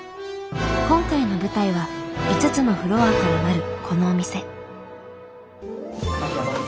今回の舞台は５つのフロアからなるこのお店。